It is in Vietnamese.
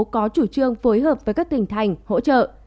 có chủ trương phối hợp với các tỉnh thành hỗ trợ